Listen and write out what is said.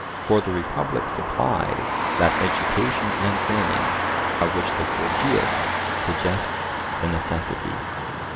For the Republic supplies that education and training of which the Gorgias suggests the necessity.